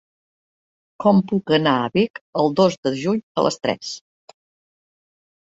Com puc anar a Vic el dos de juny a les tres?